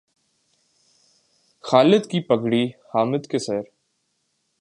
خالد کی پگڑی حامد کے سر